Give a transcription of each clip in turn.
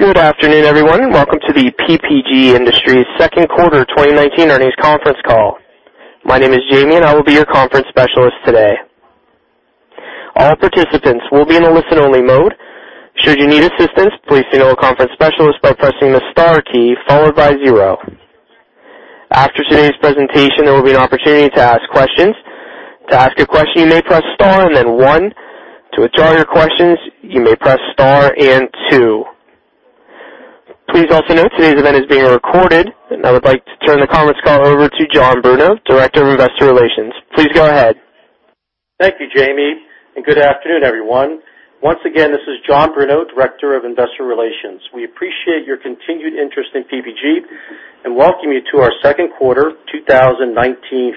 Good afternoon, everyone. Welcome to the PPG Industries second quarter 2019 earnings conference call. My name is Jamie and I will be your conference specialist today. All participants will be in a listen-only mode. Should you need assistance, please signal a conference specialist by pressing the star key followed by zero. After today's presentation, there will be an opportunity to ask questions. To ask a question, you may press star and then one. To withdraw your questions, you may press star and two. Please also note today's event is being recorded, and I would like to turn the conference call over to John Bruno, Director of Investor Relations. Please go ahead. Thank you, Jamie, and good afternoon, everyone. Once again, this is John Bruno, Director of Investor Relations. We appreciate your continued interest in PPG, and welcome you to our second quarter 2019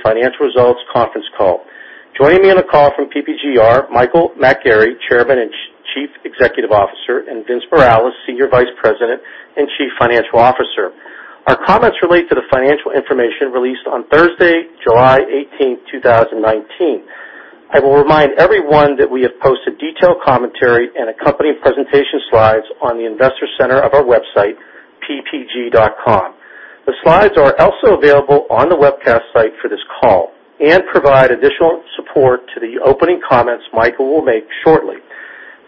financial results conference call. Joining me on the call from PPG are Michael McGarry, Chairman and Chief Executive Officer, and Vince Morales, Senior Vice President and Chief Financial Officer. Our comments relate to the financial information released on Thursday, July 18, 2019. I will remind everyone that we have posted detailed commentary and accompanying presentation slides on the investor center of our website, ppg.com. The slides are also available on the webcast site for this call and provide additional support to the opening comments Michael will make shortly.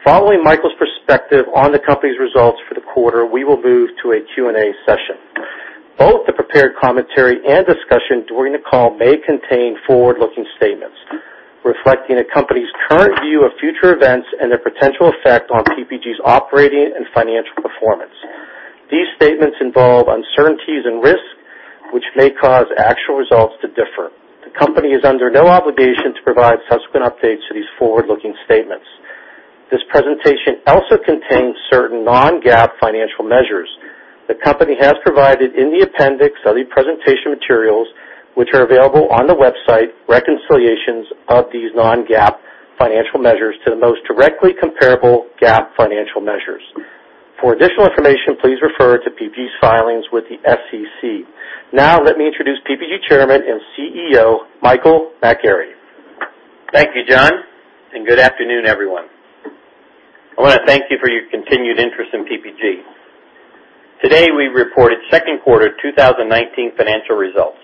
Following Michael's perspective on the company's results for the quarter, we will move to a Q&A session. Both the prepared commentary and discussion during the call may contain forward-looking statements reflecting a company's current view of future events and their potential effect on PPG's operating and financial performance. These statements involve uncertainties and risks, which may cause actual results to differ. The company is under no obligation to provide subsequent updates to these forward-looking statements. This presentation also contains certain non-GAAP financial measures. The company has provided, in the appendix of the presentation materials, which are available on the website, reconciliations of these non-GAAP financial measures to the most directly comparable GAAP financial measures. For additional information, please refer to PPG's filings with the SEC. Now, let me introduce PPG Chairman and Chief Executive Officer, Michael McGarry. Thank you, John, and good afternoon, everyone. I want to thank you for your continued interest in PPG. Today, we reported second quarter 2019 financial results.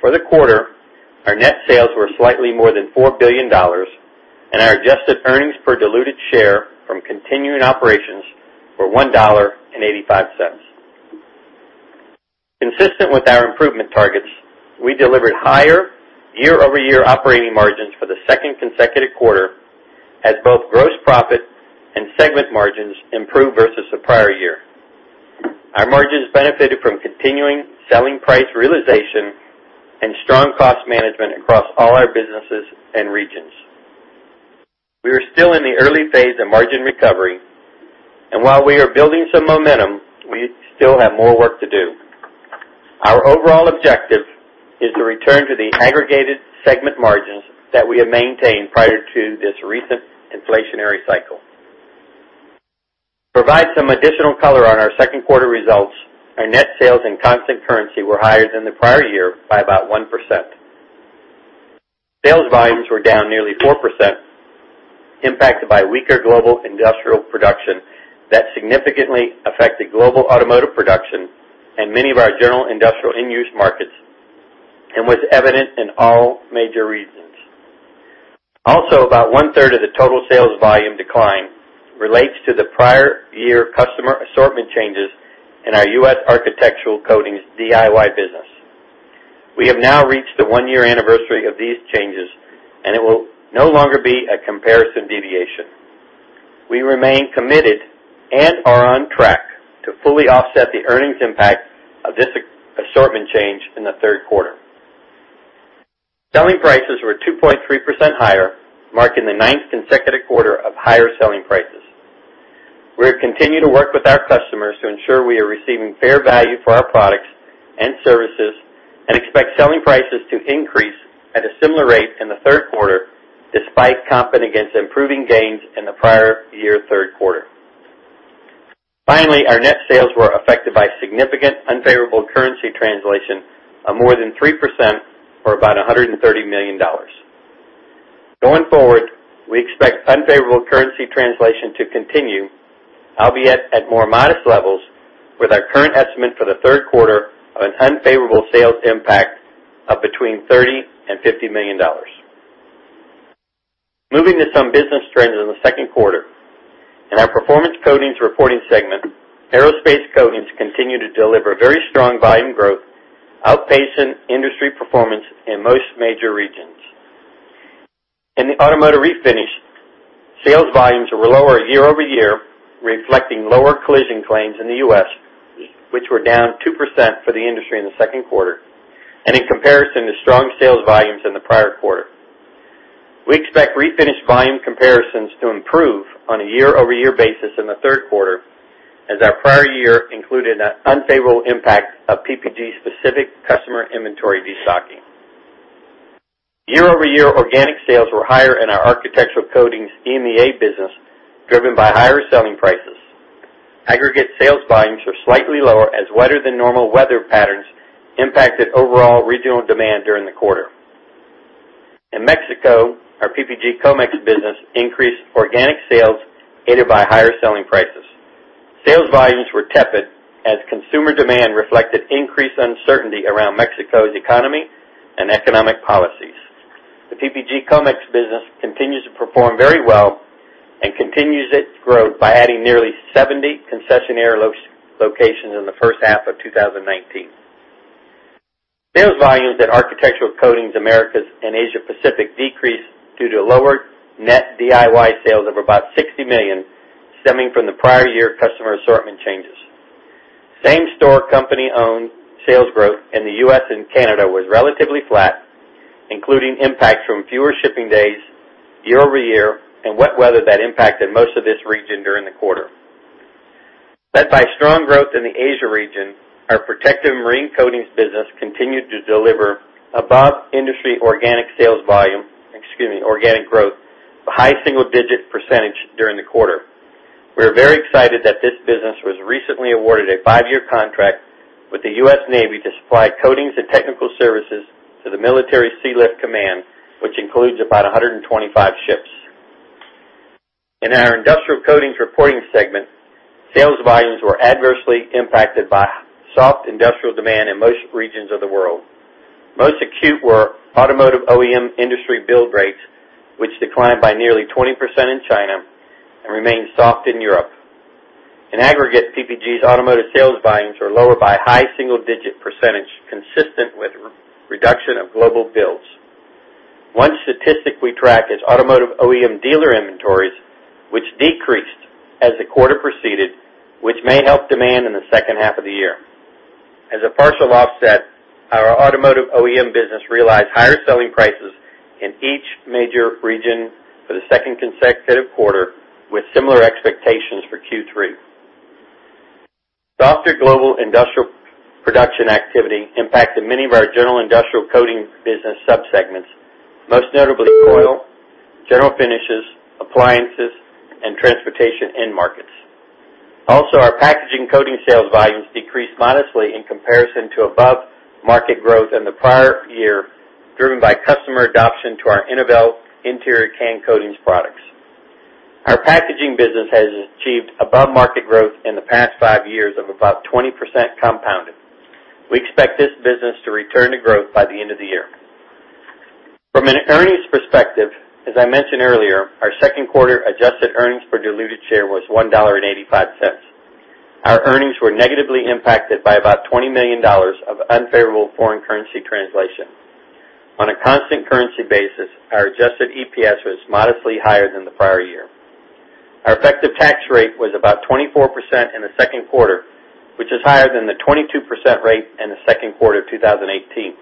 For the quarter, our net sales were slightly more than $4 billion, and our adjusted earnings per diluted share from continuing operations were $1.85. Consistent with our improvement targets, we delivered higher year-over-year operating margins for the second consecutive quarter as both gross profit and segment margins improved versus the prior year. Our margins benefited from continuing selling price realization and strong cost management across all our businesses and regions. We are still in the early phase of margin recovery, and while we are building some momentum, we still have more work to do. Our overall objective is to return to the aggregated segment margins that we have maintained prior to this recent inflationary cycle. To provide some additional color on our second quarter results, our net sales and constant currency were higher than the prior year by about 1%. Sales volumes were down nearly 4%, impacted by weaker global industrial production that significantly affected global automotive production and many of our general industrial end-use markets and was evident in all major regions. Also, about one-third of the total sales volume decline relates to the prior year customer assortment changes in our U.S. Architectural Coatings DIY business. We have now reached the one-year anniversary of these changes, and it will no longer be a comparison deviation. We remain committed and are on track to fully offset the earnings impact of this assortment change in the third quarter. Selling prices were 2.3% higher, marking the ninth consecutive quarter of higher selling prices. We continue to work with our customers to ensure we are receiving fair value for our products and services and expect selling prices to increase at a similar rate in the third quarter, despite comping against improving gains in the prior year, third quarter. Finally, our net sales were affected by significant unfavorable currency translation of more than 3%, or about $130 million. Going forward, we expect unfavorable currency translation to continue, albeit at more modest levels, with our current estimate for the third quarter of an unfavorable sales impact of between $30 million-$50 million. Moving to some business trends in the second quarter. In our Performance Coatings reporting segment, aerospace coatings continue to deliver very strong volume growth, outpacing industry performance in most major regions. In the automotive refinish, sales volumes were lower year-over-year, reflecting lower collision claims in the U.S., which were down 2% for the industry in the second quarter, and in comparison to strong sales volumes in the prior quarter. We expect refinish volume comparisons to improve on a year-over-year basis in the third quarter, as our prior year included an unfavorable impact of PPG-specific customer inventory destocking. Year-over-year organic sales were higher in our architectural coatings EMEA business, driven by higher selling prices. Aggregate sales volumes were slightly lower as wetter than normal weather patterns impacted overall regional demand during the quarter. Mexico, our PPG Comex business increased organic sales aided by higher selling prices. Sales volumes were tepid as consumer demand reflected increased uncertainty around Mexico's economy and economic policies. The PPG Comex business continues to perform very well and continues its growth by adding nearly 70 concessionaire locations in the first half of 2019. Sales volumes at Architectural Coatings Americas and Asia Pacific decreased due to lower net DIY sales of about $60 million, stemming from the prior year customer assortment changes. Same-store company-owned sales growth in the U.S. and Canada was relatively flat, including impacts from fewer shipping days year-over-year in wet weather that impacted most of this region during the quarter. Led by strong growth in the Asia region, our Protective Marine Coatings business continued to deliver above-industry organic sales volume, organic growth of high single-digit percentage during the quarter. We are very excited that this business was recently awarded a a five-year contract with the U.S. Navy to supply coatings and technical services to the Military Sealift Command, which includes about 125 ships. In our Industrial Coatings reporting segment, sales volumes were adversely impacted by soft industrial demand in most regions of the world. Most acute were automotive OEM industry build rates, which declined by 20% in China and remain soft in Europe. In aggregate, PPG's automotive sales volumes were lower by high single-digit percentage, consistent with reduction of global builds. One statistic we tracked is automotive OEM dealer inventories, which decreased as the quarter proceeded, which may help demand in the second half of the year. As a partial offset, our automotive OEM business realized higher selling prices in each major region for the second consecutive quarter, with similar expectations for Q3. Slower global industrial production activity impacted many of our general industrial coating business sub-segments, most notably coil, general finishes, appliances, and transportation end markets. Our packaging coating sales volumes decreased modestly in comparison to above-market growth in the prior year, driven by customer adoption to our Innovel interior can coatings products. Our packaging business has achieved above-market growth in the past five years of about 20% compounded. We expect this business to return to growth by the end of the year. From an earnings perspective, as I mentioned earlier, our second quarter-adjusted earnings per diluted share was $1.85. Our earnings were negatively impacted by about $20 million of unfavorable foreign currency translation. On a constant currency basis, our adjusted EPS was modestly higher than the prior year. Our effective tax rate was about 24% in the second quarter, which is higher than the 22% rate in the second quarter of 2018.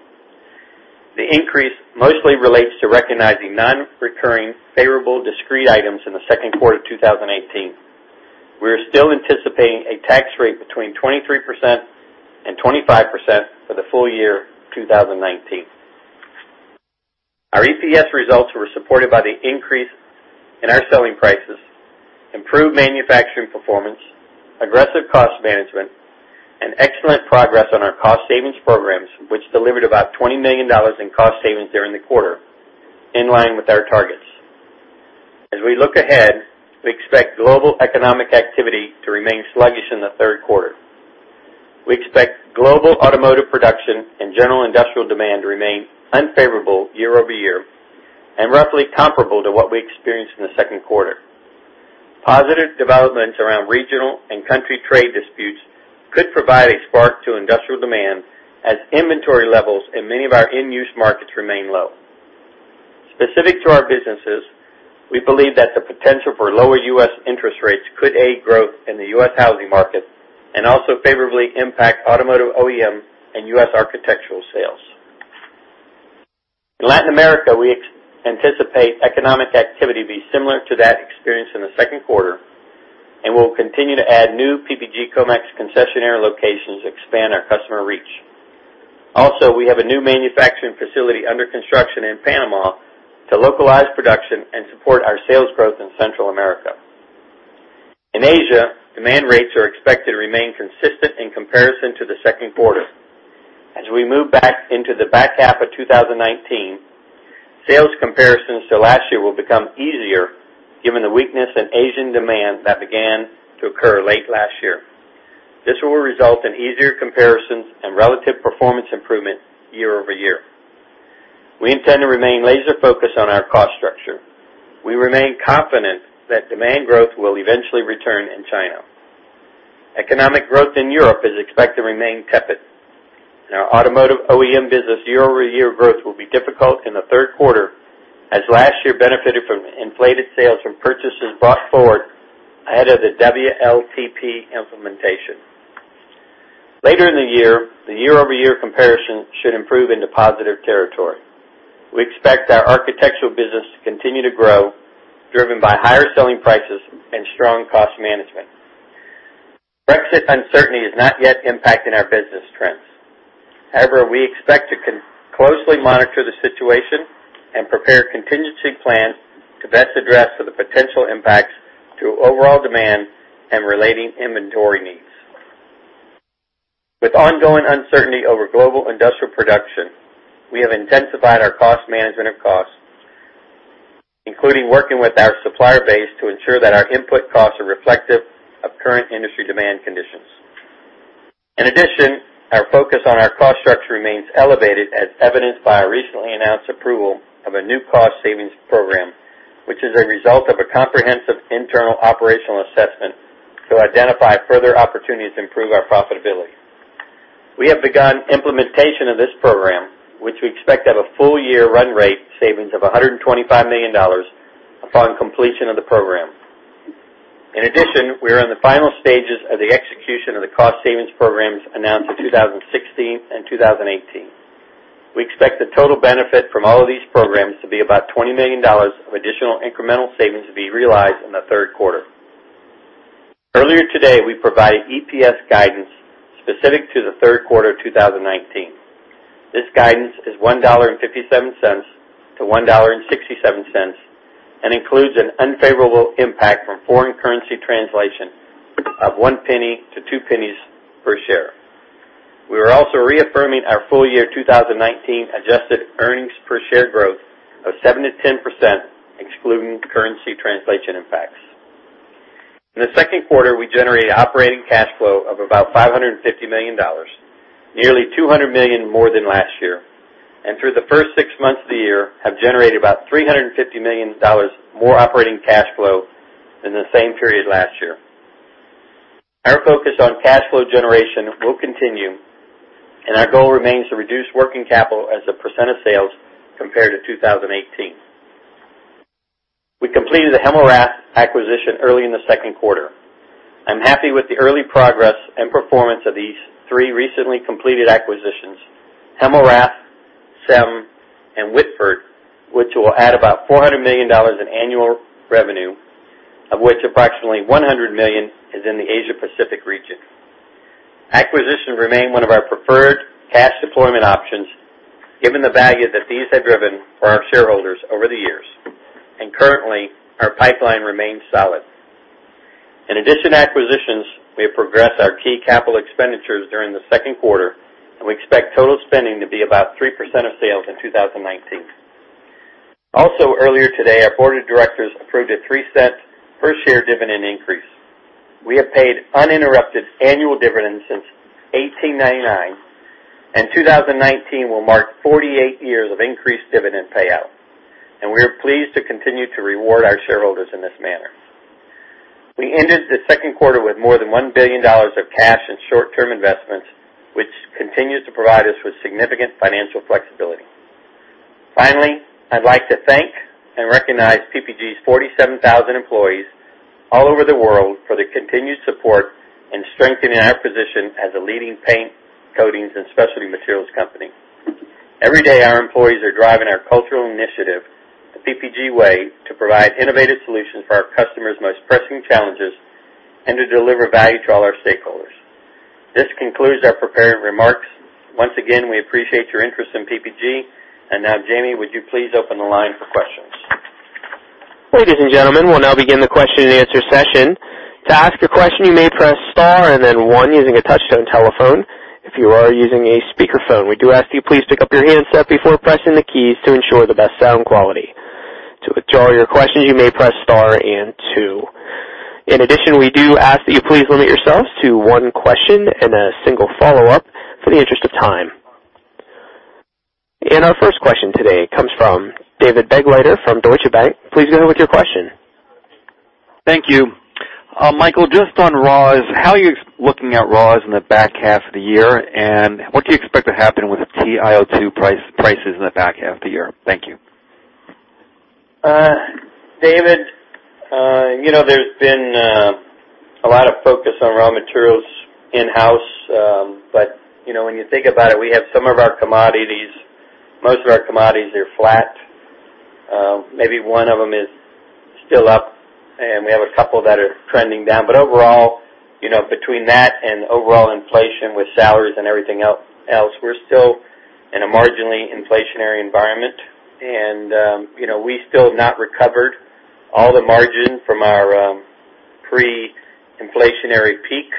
The increase mostly relates to recognizing non-recurring favorable discrete items in the second quarter of 2018. We are still anticipating a tax rate between 23% and 25% for the full year 2019. Our EPS results were supported by the increase in our selling prices, improved manufacturing performance, aggressive cost management, and excellent progress on our cost savings programs, which delivered about $20 million in cost savings during the quarter, in line with our targets. As we look ahead, we expect global economic activity to remain sluggish in the third quarter. We expect global automotive production and general industrial demand to remain unfavorable year-over-year and roughly comparable to what we experienced in the second quarter. Positive developments around regional and country trade disputes could provide a spark to industrial demand, as inventory levels in many of our end-use markets remain low. Specific to our businesses, we believe that the potential for lower U.S. interest rates could aid growth in the U.S. housing market and also favorably impact automotive OEM and U.S. architectural sales. In Latin America, we anticipate economic activity be similar to that experienced in the second quarter, and we'll continue to add new PPG Comex concessionaire locations to expand our customer reach. We have a new manufacturing facility under construction in Panama to localize production and support our sales growth in Central America. In Asia, demand rates are expected to remain consistent in comparison to the second quarter. As we move back into the back half of 2019, sales comparisons to last year will become easier given the weakness in Asian demand that began to occur late last year. This will result in easier comparisons and relative performance improvement year-over-year. We intend to remain laser-focused on our cost structure. We remain confident that demand growth will eventually return in China. Economic growth in Europe is expected to remain tepid. Our automotive OEM business year-over-year growth will be difficult in the third quarter, as last year benefited from inflated sales from purchases brought forward ahead of the WLTP implementation. Later in the year, the year-over-year comparison should improve into positive territory. We expect our architectural business to continue to grow, driven by higher selling prices and strong cost management. Brexit uncertainty is not yet impacting our business trends. We expect to closely monitor the situation and prepare contingency plans to best address the potential impacts to overall demand and relating inventory needs. With ongoing uncertainty over global industrial production, we have intensified our cost management of costs, including working with our supplier base to ensure that our input costs are reflective of current industry demand conditions. Our focus on our cost structure remains elevated, as evidenced by our recently announced approval of a new cost savings program, which is a result of a comprehensive internal operational assessment to identify further opportunities to improve our profitability. We have begun implementation of this program, which we expect to have a full year run rate savings of $125 million upon completion of the program. We are in the final stages of the execution of the cost savings programs announced in 2016 and 2018. We expect the total benefit from all of these programs to be about $20 million of additional incremental savings to be realized in the third quarter. Earlier today, we provided EPS guidance specific to the third quarter 2019. This guidance is $1.57-$1.67, and includes an unfavorable impact from foreign currency translation of $0.01 to $0.02 per share. We are also reaffirming our full year 2019 adjusted earnings per share growth of 7%-10%, excluding currency translation impacts. In the second quarter, we generated operating cash flow of about $550 million, nearly $200 million more than last year. Through the first six months of the year, have generated about $350 million more operating cash flow than the same period last year. Our focus on cash flow generation will continue, and our goal remains to reduce working capital as a percent of sales compared to 2018. We completed the Hemmelrath acquisition early in the second quarter. I'm happy with the early progress and performance of these three recently completed acquisitions, Hemmelrath, SEM, and Whitford, which will add about $400 million in annual revenue, of which approximately $100 million is in the Asia Pacific region. Acquisitions remain one of our preferred cash deployment options, given the value that these have driven for our shareholders over the years. Currently, our pipeline remains solid. In addition to acquisitions, we have progressed our key capital expenditures during the second quarter, and we expect total spending to be about 3% of sales in 2019. Also earlier today, our board of directors approved a $0.03 per share dividend increase. We have paid uninterrupted annual dividends since 1899, and 2019 will mark 48 years of increased dividend payout. We are pleased to continue to reward our shareholders in this manner. We ended the second quarter with more than $1 billion of cash and short-term investments, which continues to provide us with significant financial flexibility. Finally, I'd like to thank and recognize PPG's 47,000 employees all over the world for their continued support in strengthening our position as a leading paint, coatings, and specialty materials company. Every day, our employees are driving our cultural initiative, the PPG Way, to provide innovative solutions for our customers' most pressing challenges and to deliver value to all our stakeholders. This concludes our prepared remarks. Once again, we appreciate your interest in PPG. Now, Jamie, would you please open the line for questions? Ladies and gentlemen, we'll now begin the question and answer session. To ask a question, you may press star and then one using a touch-tone telephone. If you are using a speakerphone, we do ask you please pick up your handset before pressing the keys to ensure the best sound quality. To withdraw your questions, you may press star and two. In addition, we do ask that you please limit yourselves to one question and a single follow-up for the interest of time. Our first question today comes from David Begleiter from Deutsche Bank. Please go ahead with your question. Thank you. Michael, just on raws, how are you looking at raws in the back half of the year, and what do you expect to happen with TiO2 prices in the back half of the year? Thank you. David, there's been a lot of focus on raw materials in-house. When you think about it, we have some of our commodities, most of our commodities are flat. Maybe one of them is still up, and we have a couple that are trending down. Overall, between that and overall inflation with salaries and everything else, we're still in a marginally inflationary environment. We still have not recovered all the margin from our pre-inflationary peak.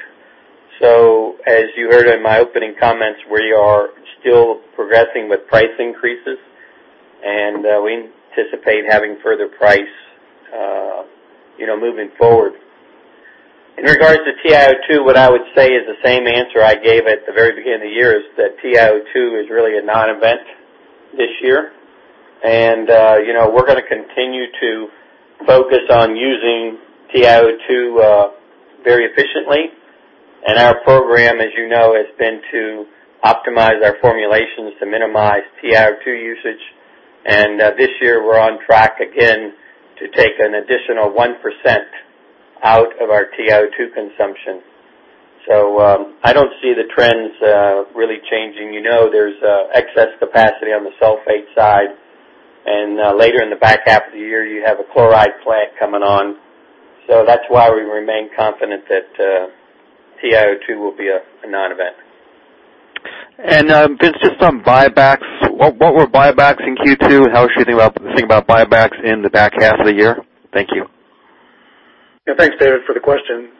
As you heard in my opening comments, we are still progressing with price increases, and we anticipate having further price moving forward. In regards to TiO2, what I would say is the same answer I gave at the very beginning of the year, is that TiO2 is really a non-event this year. We're gonna continue to focus on using TiO2 very efficiently. Our program, as you know, has been to optimize our formulations to minimize TiO2 usage. This year, we're on track again to take an additional 1% out of our TiO2 consumption. I don't see the trends really changing. You know there's excess capacity on the sulfate side, and later in the back half of the year, you have a chloride plant coming on. That's why we remain confident that TiO2 will be a non-event. Vince, just on buybacks. What were buybacks in Q2, and how should we think about buybacks in the back half of the year? Thank you. Thanks, David, for the question.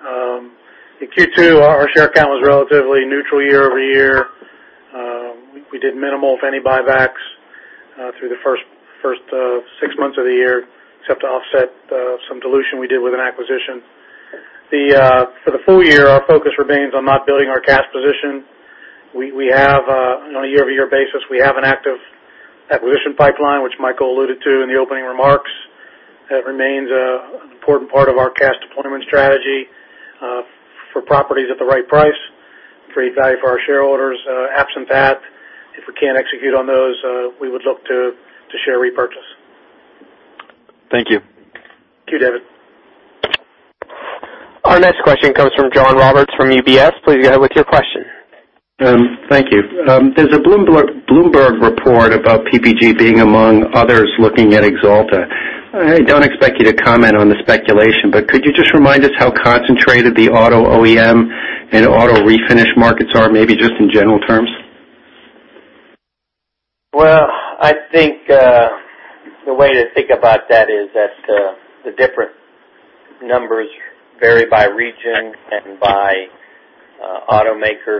In Q2, our share count was relatively neutral year-over-year. We did minimal, if any, buybacks through the first six months of the year, except to offset some dilution we did with an acquisition. For the full year, our focus remains on not building our cash position. On a year-over-year basis, we have an active acquisition pipeline, which Michael alluded to in the opening remarks. That remains an important part of our cash deployment strategy for properties at the right price, create value for our shareholders. Absent that, if we can't execute on those, we would look to share repurchase. Thank you. Thank you, David. Our next question comes from John Roberts from UBS. Please go ahead with your question. Thank you. There's a Bloomberg report about PPG being among others, looking at Axalta. I don't expect you to comment on the speculation, but could you just remind us how concentrated the auto OEM and auto refinish markets are, maybe just in general terms? Well, I think, the way to think about that is that the different numbers vary by region and by automaker.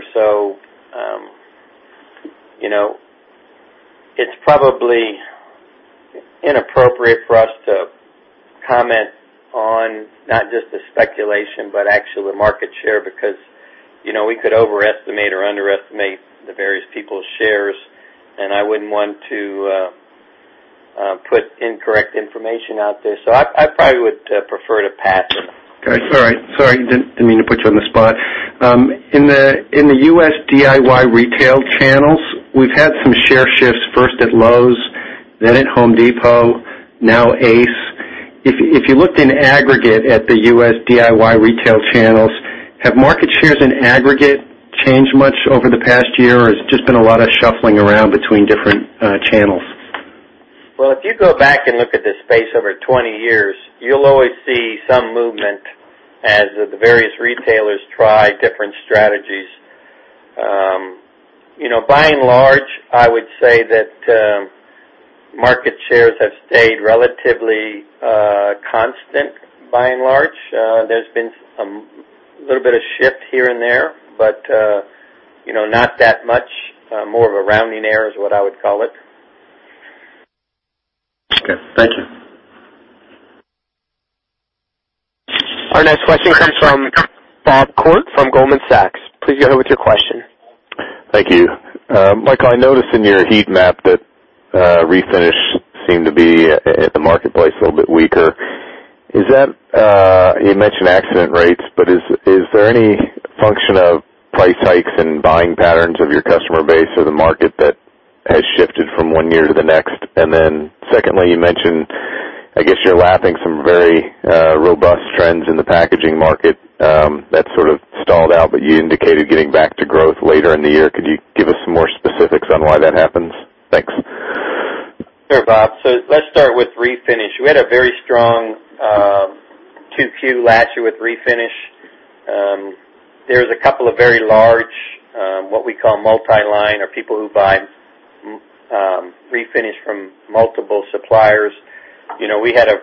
It's probably inappropriate for us to comment on not just the speculation, but actual market share, because we could overestimate or underestimate the various people's shares, and I wouldn't want to put incorrect information out there. I probably would prefer to pass. Okay. Sorry, didn't mean to put you on the spot. In the U.S. DIY retail channels, we've had some share shifts, first at Lowe's, then at Home Depot, now Ace. If you looked in aggregate at the U.S. DIY retail channels, have market shares in aggregate changed much over the past year, or has it just been a lot of shuffling around between different channels? Well, if you go back and look at this space over 20 years, you'll always see some movement as the various retailers try different strategies. By and large, I would say that market shares have stayed relatively constant, by and large. There's been a little bit of shift here and there, but not that much. More of a rounding error is what I would call it. Okay. Thank you. Our next question comes from Bob Koort from Goldman Sachs. Please go ahead with your question. Thank you. Michael, I noticed in your heat map that refinish seemed to be at the marketplace a little bit weaker. You mentioned accident rates, is there any function of price hikes and buying patterns of your customer base or the market that has shifted from one year to the next? Secondly, you mentioned, I guess you're lapping some very robust trends in the packaging market. That sort of stalled out, you indicated getting back to growth later in the year. Could you give us some more specifics on why that happens? Thanks. Sure, Bob. Let's start with refinish. We had a very strong 2Q last year with refinish. There's a couple of very large, what we call multi-line or people who buy refinish from multiple suppliers. We had a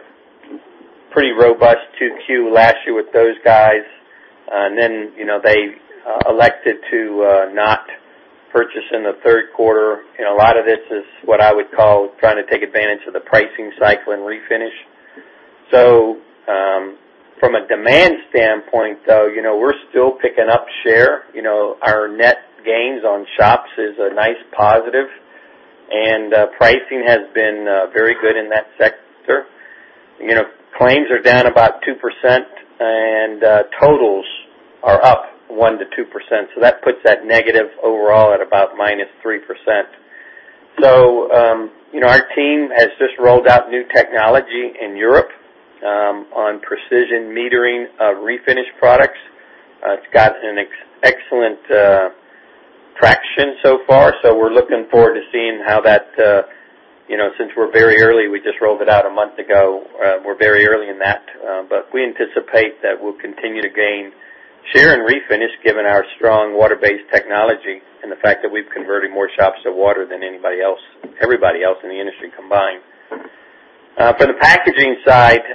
pretty robust 2Q last year with those guys, they elected to not purchase in the third quarter. A lot of this is what I would call trying to take advantage of the pricing cycle in refinish. From a demand standpoint, though, we're still picking up share. Our net gains on shops is a nice positive, pricing has been very good in that sector. Claims are down about 2%, totals are up 1%-2%. That puts that negative overall at about -3%. Our team has just rolled out new technology in Europe on precision metering of refinish products. It's got an excellent traction so far, we're looking forward to seeing how that. Since we're very early, we just rolled it out a month ago. We're very early in that. We anticipate that we'll continue to gain share and refinish given our strong water-based technology and the fact that we've converted more shops to water than everybody else in the industry combined. For the packaging side,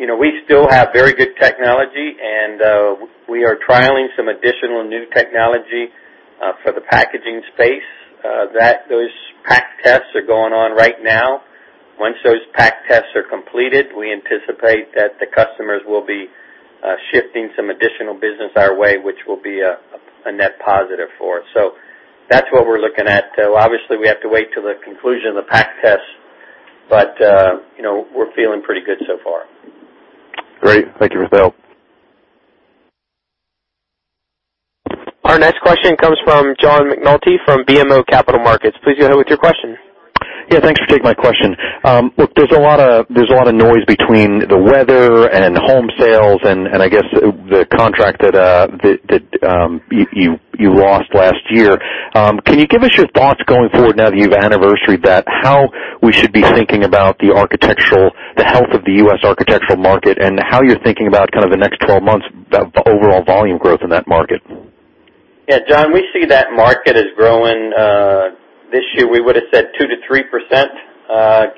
we still have very good technology, we are trialing some additional new technology for the packaging space. Those pack tests are going on right now. Once those pack tests are completed, we anticipate that the customers will be shifting some additional business our way, which will be a net positive for us. That's what we're looking at. Obviously, we have to wait till the conclusion of the pack test, we're feeling pretty good so far. Great. Thank you for the help. Our next question comes from John McNulty from BMO Capital Markets. Please go ahead with your question. Yeah, thanks for taking my question. Look, there's a lot of noise between the weather and home sales and I guess the contract that you lost last year. Can you give us your thoughts going forward now that you've anniversary-ed that, how we should be thinking about the health of the U.S. architectural market and how you're thinking about kind of the next 12 months, the overall volume growth in that market? Yeah, John, we see that market as growing this year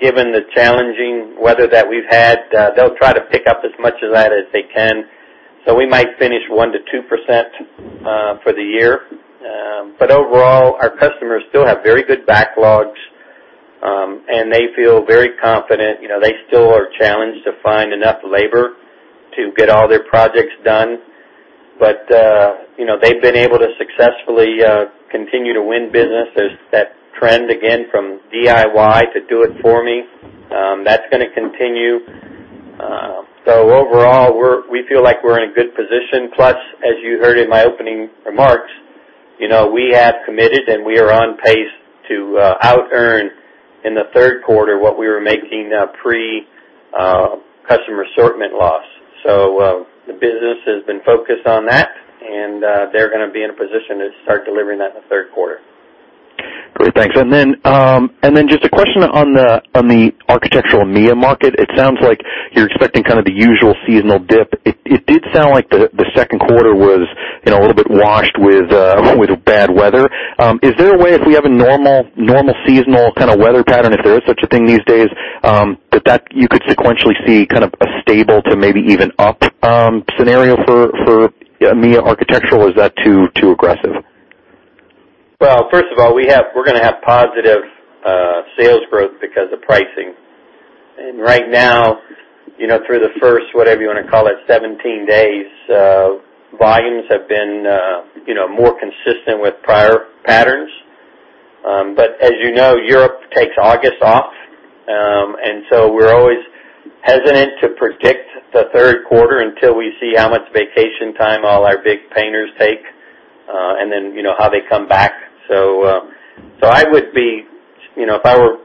given the challenging weather that we've had, they'll try to pick up as much of that as they can. We might finish 1%-2% for the year. Overall, our customers still have very good backlogs, and they feel very confident. They still are challenged to find enough labor to get all their projects done. They've been able to successfully continue to win business. There's that trend again, from DIY to do it for me. That's going to continue. Overall, we feel like we're in a good position. Plus, as you heard in my opening remarks, we have committed, and we are on pace to out earn in the third quarter what we were making pre-customer assortment loss. The business has been focused on that, and they're going to be in a position to start delivering that in the third quarter. Great. Thanks. Just a question on the architectural EMEA market. It sounds like you're expecting kind of the usual seasonal dip. It did sound like the second quarter was a little bit washed with bad weather. Is there a way, if we have a normal seasonal kind of weather pattern, if there is such a thing these days, that you could sequentially see kind of a stable to maybe even up scenario for EMEA architectural, or is that too aggressive? Well, first of all, we're going to have positive sales growth because of pricing. Right now, through the first, whatever you want to call it, 17 days, volumes have been more consistent with prior patterns. As you know, Europe takes August off. We're always hesitant to predict the third quarter until we see how much vacation time all our big painters take, and then how they come back. If I were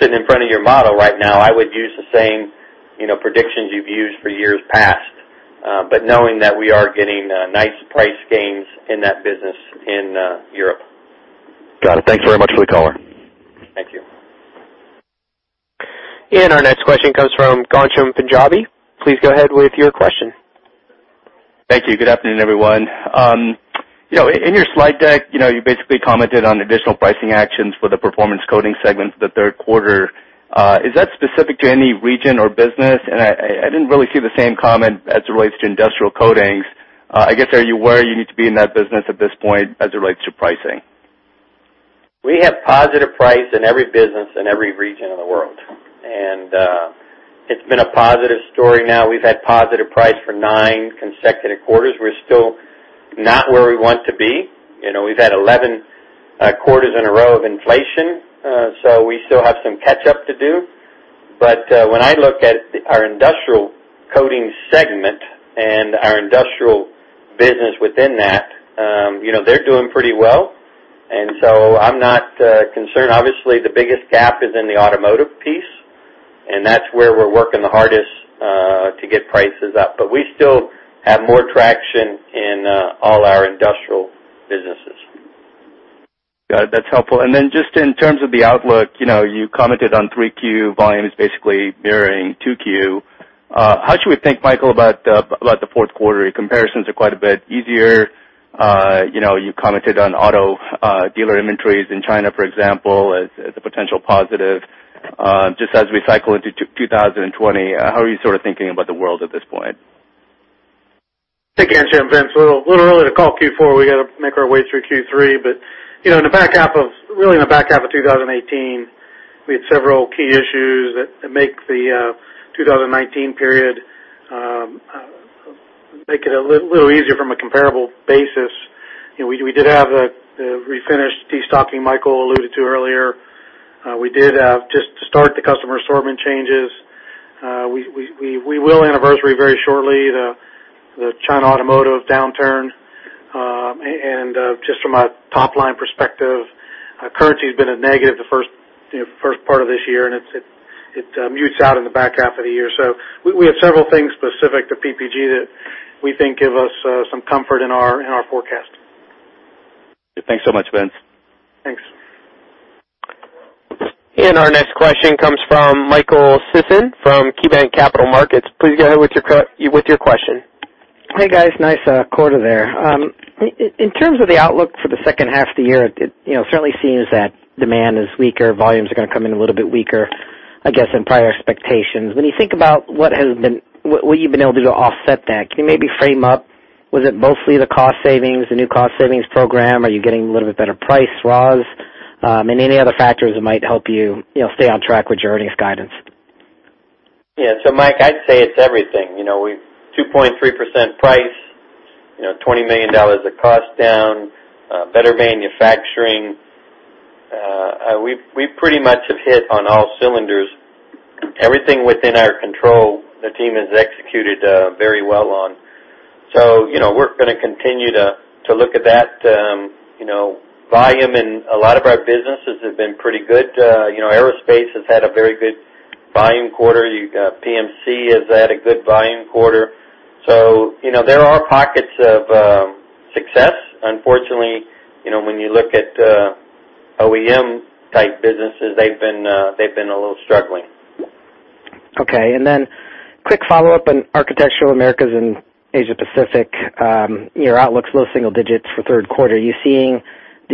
sitting in front of your model right now, I would use the same predictions you've used for years past. Knowing that we are getting nice price gains in that business in Europe. Got it. Thanks very much for the color. Thank you. Our next question comes from Ghansham Panjabi. Please go ahead with your question. Thank you. Good afternoon, everyone. In your slide deck, you basically commented on additional pricing actions for the Performance Coatings segment for the third quarter. Is that specific to any region or business? I didn't really see the same comment as it relates to Industrial Coatings. I guess, are you where you need to be in that business at this point as it relates to pricing? We have positive price in every business in every region of the world, and it's been a positive story now. We've had positive price for nine consecutive quarters. We're still not where we want to be. We've had 11 quarters in a row of inflation, so we still have some catch up to do. When I look at our Industrial Coatings segment and our industrial business within that, they're doing pretty well, and so I'm not concerned. Obviously, the biggest gap is in the automotive piece, and that's where we're working the hardest to get prices up. We still have more traction in all our industrial businesses. Then just in terms of the outlook, you commented on three Q volumes basically mirroring two Q. How should we think, Michael, about the fourth quarter? Your comparisons are quite a bit easier. You commented on auto dealer inventories in China, for example, as a potential positive. Just as we cycle into 2020, how are you sort of thinking about the world at this point? Thanks again, Sham. Vince, a little early to call Q4. We got to make our way through Q3. Really in the back half of 2018, we had several key issues that make the 2019 period a little easier from a comparable basis. We did have the refinished destocking Michael alluded to earlier. We did just start the customer assortment changes. We will anniversary very shortly the China automotive downturn. Just from a top-line perspective, currency's been a negative the first part of this year, and it mutes out in the back half of the year. We have several things specific to PPG that we think give us some comfort in our forecast. Thanks so much, Vince. Thanks. Our next question comes from Michael Sison from KeyBanc Capital Markets. Please go ahead with your question. Hey, guys, nice quarter there. In terms of the outlook for the second half of the year, it certainly seems that demand is weaker. Volumes are going to come in a little bit weaker, I guess, than prior expectations. When you think about what you've been able to do to offset that, can you maybe frame up, was it mostly the cost savings, the new cost savings program? Are you getting a little bit better price flows? Any other factors that might help you stay on track with your earnings guidance? Yeah. Mike, I'd say it's everything. 2.3% price, $20 million of cost down, better manufacturing. We pretty much have hit on all cylinders. Everything within our control, the team has executed very well on. We're going to continue to look at that. Volume in a lot of our businesses have been pretty good. Aerospace has had a very good volume quarter. PMC has had a good volume quarter. There are pockets of success. Unfortunately, when you look at OEM type businesses, they've been a little struggling. Okay, quick follow-up on Architectural Americas and Asia Pacific. Your outlook's low single digits for the third quarter. Do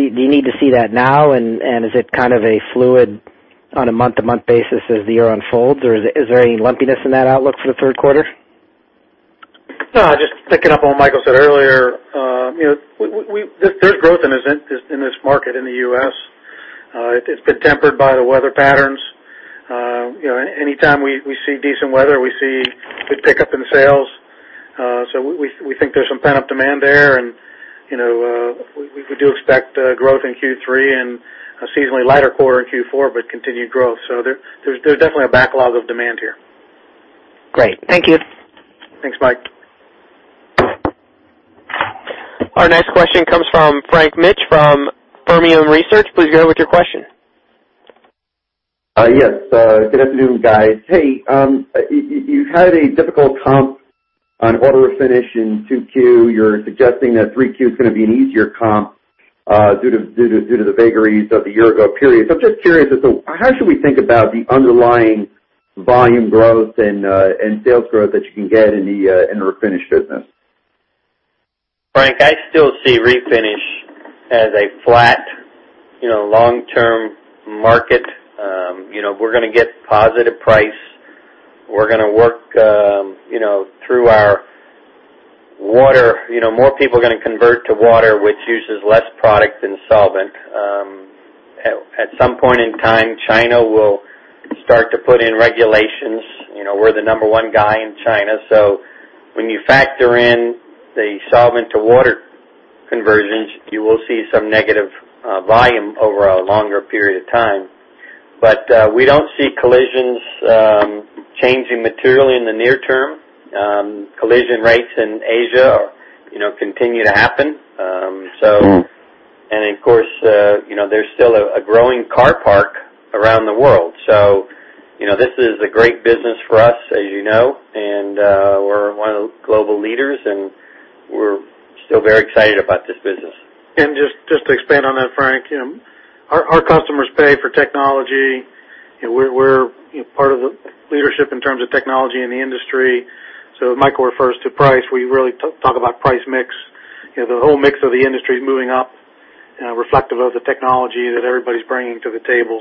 you need to see that now? Is it kind of fluid on a month-to-month basis as the year unfolds, or is there any lumpiness in that outlook for the third quarter? No, just picking up on what Michael said earlier. There's growth in this market in the U.S. It's been tempered by the weather patterns. Anytime we see decent weather, we see good pickup in sales. We think there's some pent-up demand there, and we do expect growth in Q3 and a seasonally lighter quarter in Q4, but continued growth. There's definitely a backlog of demand here. Great. Thank you. Thanks, Mike. Our next question comes from Frank Mitsch from Fermium Research. Please go ahead with your question. Yes. Good afternoon, guys. Hey, you had a difficult comp on order of finish in 2Q. You're suggesting that 3Q is going to be an easier comp due to the vagaries of the year-ago period. I'm just curious as to how should we think about the underlying volume growth and sales growth that you can get in the refinish business? Frank, I still see refinish as a flat long-term market. We're going to get positive price. More people are going to convert to water, which uses less product than solvent. At some point in time, China will start to put in regulations. We're the number one guy in China. When you factor in the solvent-to-water conversions, you will see some negative volume over a longer period of time. We don't see collisions changing materially in the near term. Collision rates in Asia continue to happen. Of course, there's still a growing car park around the world. This is a great business for us, as you know, and we're one of the global leaders, and we're still very excited about this business. Just to expand on that, Frank. Our customers pay for technology. We're part of the leadership in terms of technology in the industry. As Mike refers to price, we really talk about price mix. The whole mix of the industry is moving up, reflective of the technology that everybody's bringing to the table.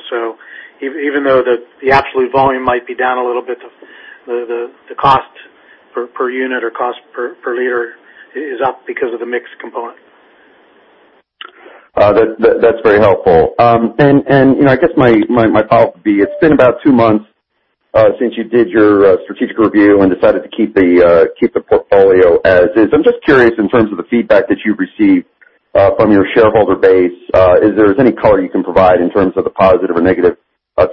Even though the absolute volume might be down a little bit, the cost per unit or cost per liter is up because of the mix component. That's very helpful. I guess my follow-up would be, it's been about two months since you did your strategic review and decided to keep the portfolio as is. I'm just curious in terms of the feedback that you've received from your shareholder base. Is there any color you can provide in terms of the positive or negative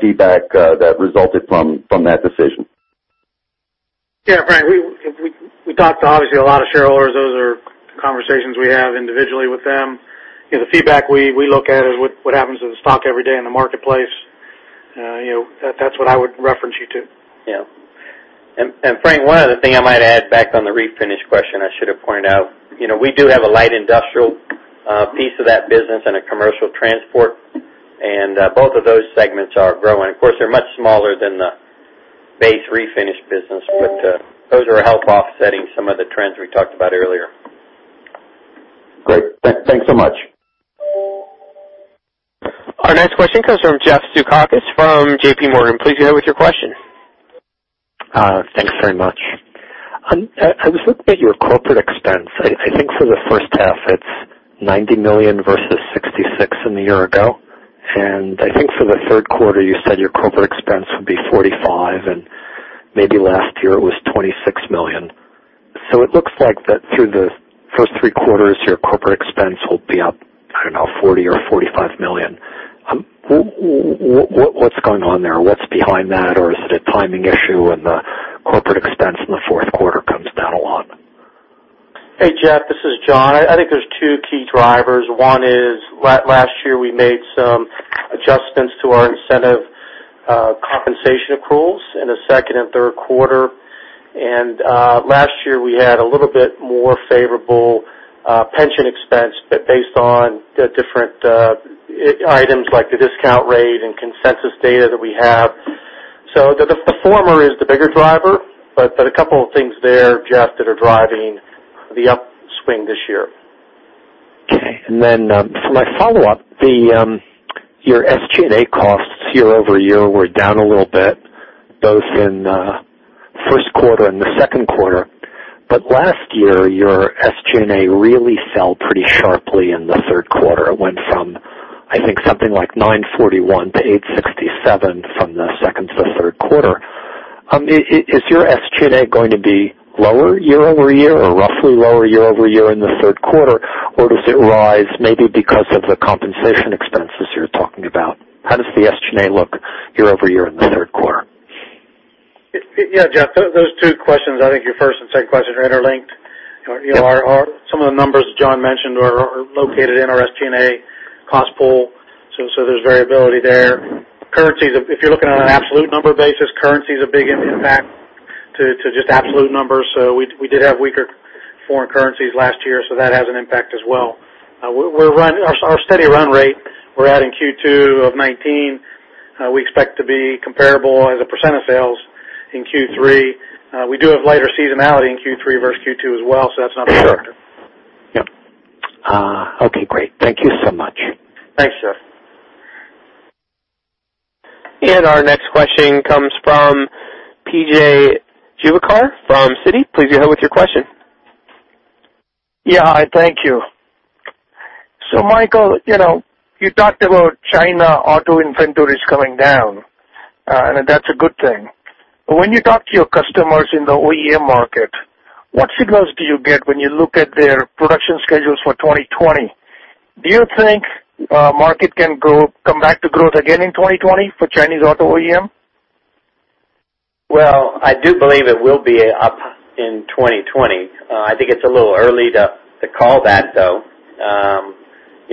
feedback that resulted from that decision? Yeah, Frank, we talked to, obviously, a lot of shareholders. Those are conversations we have individually with them. The feedback we look at is what happens to the stock every day in the marketplace. That's what I would reference you to. Yeah. Frank, one other thing I might add back on the refinish question, I should have pointed out. We do have a light industrial piece of that business and a commercial transport, and both of those segments are growing. Of course, they're much smaller than the base refinish business, but those are help offsetting some of the trends we talked about earlier. Great. Thanks so much. Our next question comes from Jeff Zekauskas from JP Morgan. Please go ahead with your question. Thanks very much. I was looking at your corporate expense. I think for the first half it's $90 million versus $66 million in the year ago. I think for the third quarter, you said your corporate expense would be $45 million, and maybe last year it was $26 million. It looks like that through the first three quarters, your corporate expense will be up, I don't know, $40 million or $45 million. What's going on there? What's behind that? Is it a timing issue and the corporate expense in the fourth quarter comes down a lot? Hey, Jeff, this is John. I think there's two key drivers. One is last year we made some adjustments to our incentive compensation accruals in the second and third quarter. Last year we had a little bit more favorable pension expense based on the different items like the discount rate and consensus data that we have. The former is the bigger driver, but a couple of things there, Jeff, that are driving the upswing this year. Okay. For my follow-up, your SG&A costs year-over-year were down a little bit, both in the first quarter and the second quarter. Last year, your SG&A really fell pretty sharply in the third quarter. It went from, I think, something like 941 to 867 from the second to the third quarter. Is your SG&A going to be lower year-over-year or roughly lower year-over-year in the third quarter, or does it rise maybe because of the compensation expenses you're talking about? How does the SG&A look year-over-year in the third quarter? Yeah, Jeff, those two questions, I think your first and second questions are interlinked. Some of the numbers John mentioned are located in our SG&A cost pool. There's variability there. If you're looking at an absolute number basis, currency is a big impact to just absolute numbers. We did have weaker foreign currencies last year, so that has an impact as well. Our steady run rate we're at in Q2 of 2019, we expect to be comparable as a % of sales in Q3. We do have lighter seasonality in Q3 versus Q2 as well, that's another factor. Yep. Okay, great. Thank you so much. Thanks, sir. Our next question comes from PJ Juvekar from Citi. Please go ahead with your question. Hi, thank you. Michael, you talked about China auto inventories coming down, and that's a good thing. When you talk to your customers in the OEM market, what signals do you get when you look at their production schedules for 2020? Do you think market can come back to growth again in 2020 for Chinese auto OEM? I do believe it will be up in 2020. I think it's a little early to call that, though.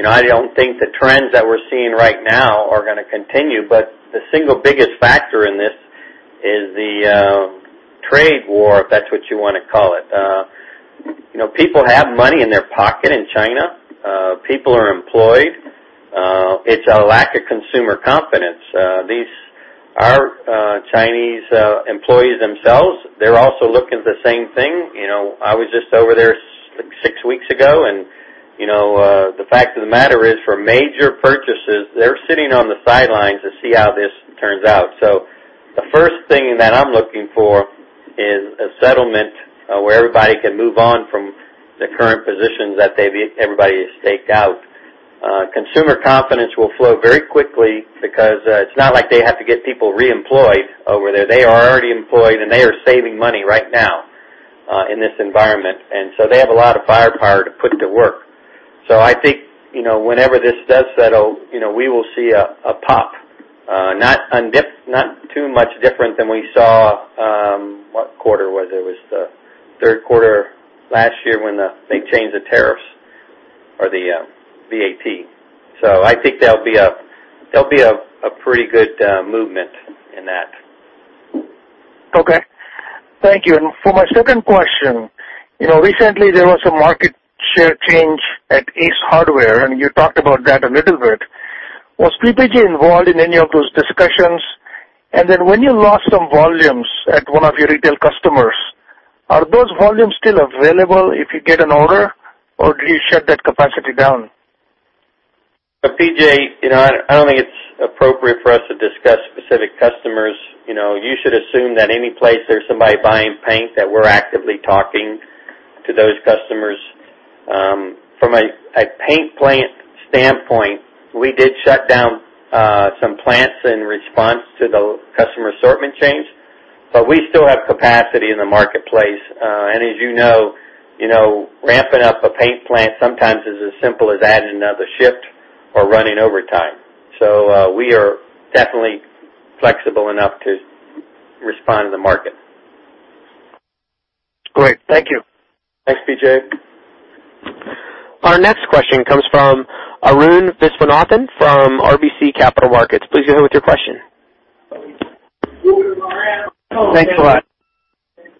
I don't think the trends that we're seeing right now are going to continue, the single biggest factor in this is the trade war, if that's what you want to call it. People have money in their pocket in China. People are employed. It's a lack of consumer confidence. These are Chinese employees themselves. They're also looking at the same thing. I was just over there six weeks ago, the fact of the matter is, for major purchases, they're sitting on the sidelines to see how this turns out. The first thing that I'm looking for is a settlement, where everybody can move on from the current positions that everybody has staked out. Consumer confidence will flow very quickly because it's not like they have to get people reemployed over there. They are already employed, they are saving money right now, in this environment. They have a lot of firepower to put to work. I think, whenever this does settle, we will see a pop, not too much different than we saw, what quarter was it? Was the third quarter last year when they changed the tariffs or the VAT. I think there'll be a pretty good movement in that. Okay. Thank you. For my second question, recently there was a market share change at Ace Hardware, you talked about that a little bit. Was PPG involved in any of those discussions? When you lost some volumes at one of your retail customers, are those volumes still available if you get an order, or do you shut that capacity down? PJ, I don't think it's appropriate for us to discuss specific customers. You should assume that any place there's somebody buying paint, that we're actively talking to those customers. From a paint plant standpoint, we did shut down some plants in response to the customer assortment change, but we still have capacity in the marketplace. As you know, ramping up a paint plant sometimes is as simple as adding another shift or running overtime. We are definitely flexible enough to respond to the market. Great. Thank you. Thanks, PJ. Our next question comes from Arun Viswanathan from RBC Capital Markets. Please go ahead with your question. Thanks a lot.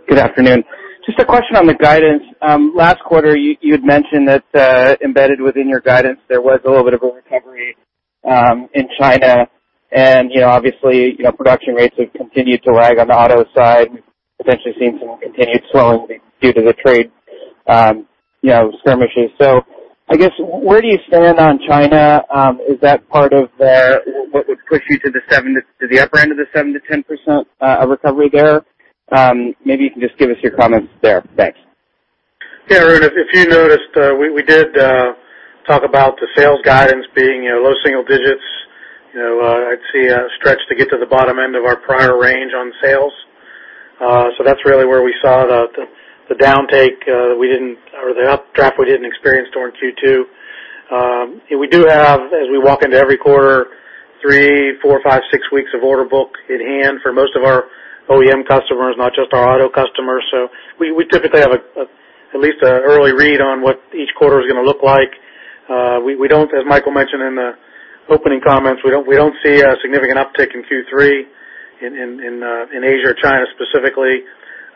Good afternoon. Just a question on the guidance. Last quarter, you had mentioned that, embedded within your guidance, there was a little bit of a recovery in China, and obviously, production rates have continued to lag on the auto side, potentially seeing some continued slowing due to the trade skirmishes. I guess, where do you stand on China? Is that part of what would push you to the upper end of the 7%-10% of recovery there? Maybe you can just give us your comments there. Thanks. Arun, if you noticed, we did talk about the sales guidance being low single digits. I'd say a stretch to get to the bottom end of our prior range on sales. That's really where we saw the downtake, or the updraft we didn't experience during Q2. We do have, as we walk into every quarter, three, four, five, six weeks of order book in hand for most of our OEM customers, not just our auto customers. We typically have at least an early read on what each quarter is going to look like. As Michael mentioned in the opening comments, we don't see a significant uptick in Q3 in Asia or China specifically.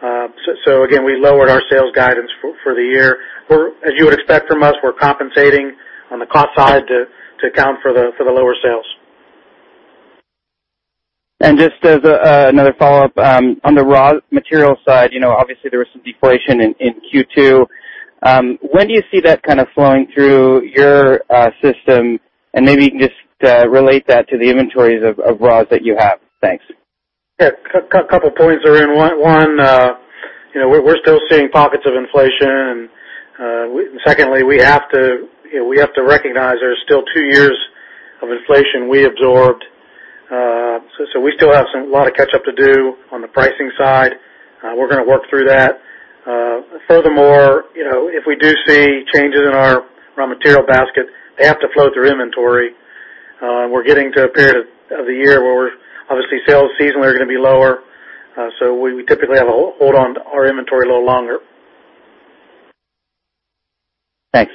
Again, we lowered our sales guidance for the year. As you would expect from us, we're compensating on the cost side to account for the lower sales. Just as another follow-up, on the raw material side, obviously there was some deflation in Q2. When do you see that kind of flowing through your system? Maybe you can just relate that to the inventories of raws that you have. Thanks. A couple points, Arun. One, we're still seeing pockets of inflation. Secondly, we have to recognize there's still two years of inflation we absorbed. We still have a lot of catch up to do on the pricing side. We're going to work through that. Furthermore, if we do see changes in our raw material basket, they have to flow through inventory. We're getting to a period of the year where obviously sales seasonally are going to be lower, we typically have a hold on our inventory a little longer. Thanks.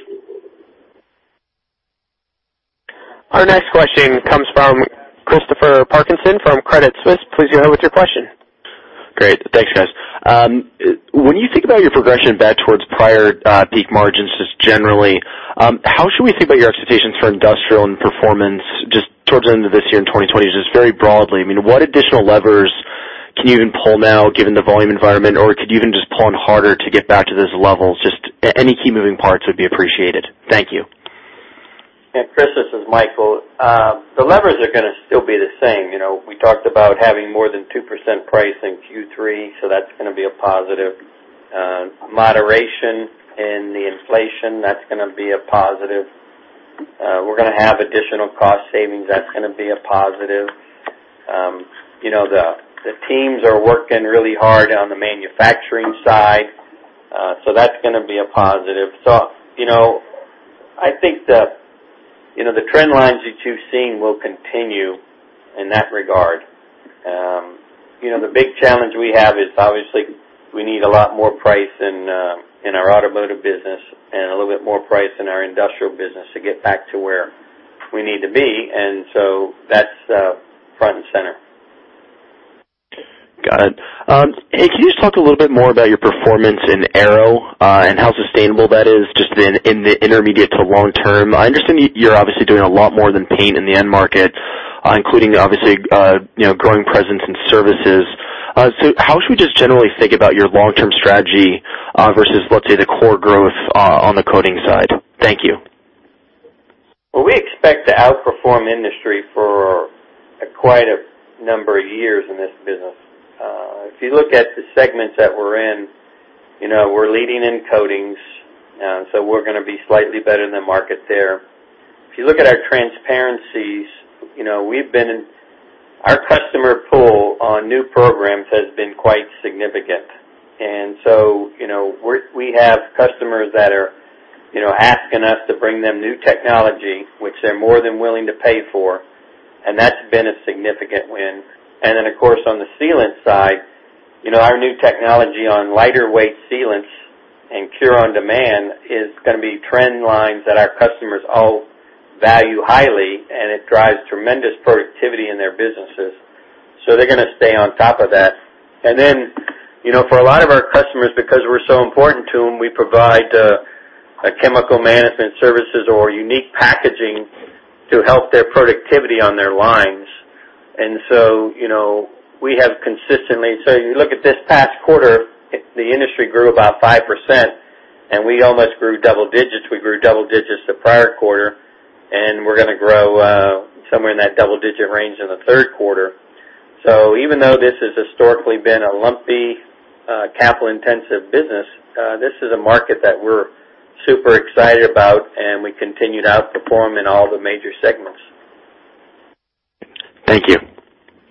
Our next question comes from Christopher Parkinson from Credit Suisse. Please go ahead with your question. Great. Thanks, guys. When you think about your progression back towards prior peak margins, generally, how should we think about your expectations for industrial and Performance Coatings just towards the end of this year in 2020, very broadly? What additional levers can you even pull now given the volume environment, or could you even just pull on harder to get back to those levels? Any key moving parts would be appreciated. Thank you. Yeah, Chris, this is Michael. The levers are going to still be the same. We talked about having more than 2% price in Q3. That's going to be a positive. Moderation in the inflation, that's going to be a positive. We're going to have additional cost savings. That's going to be a positive. The teams are working really hard on the manufacturing side. That's going to be a positive. I think the trend lines that you've seen will continue in that regard. The big challenge we have is obviously we need a lot more price in our automotive business and a little bit more price in our industrial business to get back to where we need to be. That's front and center. Got it. Hey, can you just talk a little bit more about your performance in Aero and how sustainable that is just in the intermediate to long-term? I understand you're obviously doing a lot more than paint in the end market, including obviously growing presence in services. How should we just generally think about your long-term strategy versus, let's say, the core growth on the coatings side? Thank you. We expect to outperform industry for quite a number of years in this business. You look at the segments that we're in, we're leading in coatings, so we're going to be slightly better than market there. You look at our transparencies, our customer pool on new programs has been quite significant. We have customers that are asking us to bring them new technology, which they're more than willing to pay for. That's been a significant win. Of course, on the sealant side, our new technology on lighter weight sealants and cure on demand is going to be trend lines that our customers all value highly, and it drives tremendous productivity in their businesses. They're going to stay on top of that. For a lot of our customers, because we're so important to them, we provide chemical management services or unique packaging to help their productivity on their lines. You look at this past quarter, the industry grew about 5%, and we almost grew double digits. We grew double digits the prior quarter, and we're going to grow somewhere in that double digit range in the third quarter. Even though this has historically been a lumpy, capital-intensive business, this is a market that we're super excited about, and we continue to outperform in all the major segments. Thank you.